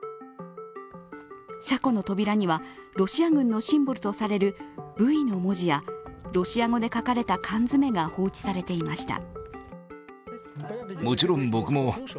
車庫の扉には、ロシア軍のシンボルとされるＶの文字やロシア語で書かれた缶詰が放置されていました。